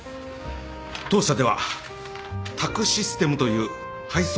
当社では宅・システムという配送ナビを開発いたしました。